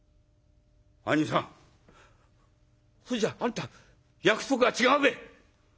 「兄さんそれじゃあんた約束が違うべえ。